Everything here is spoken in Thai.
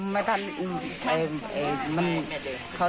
มันเลยโดนตามหาเขา